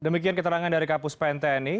demikian keterangan dari kapus pen tni